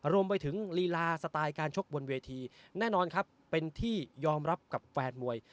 ลีลาสไตล์การชกบนเวทีแน่นอนครับเป็นที่ยอมรับกับแฟนมวย